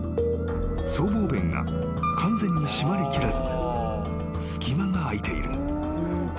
［僧帽弁が完全に閉まりきらず隙間が空いている］